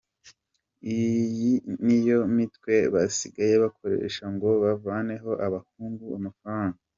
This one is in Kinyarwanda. Iyi niyo mitwe basigaye bakoresha ngo bavaneho abahungu amafaranga:.